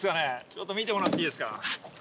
ちょっと見てもらっていいですか。